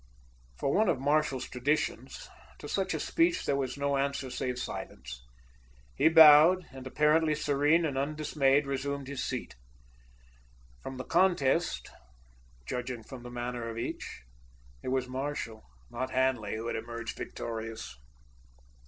For one of Marshall's traditions, to such a speech there was no answer save silence. He bowed, and, apparently serene and undismayed, resumed his seat. From the contest, judging from the manner of each, it was Marshall, not Hanley, who had emerged victorious.